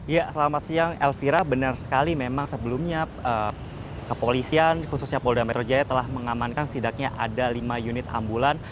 ya selamat siang elvira benar sekali memang sebelumnya kepolisian khususnya polda metro jaya telah mengamankan setidaknya ada lima unit ambulan